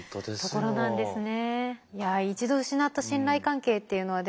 ところなんですね。